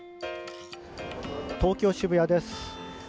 東京・渋谷です。